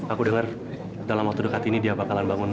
aku dengar dalam waktu dekat ini dia bakalan bangunan